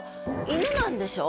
犬なんでしょ？